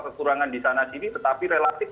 kekurangan di sana sini tetapi relatif